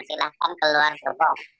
silahkan keluar gerbong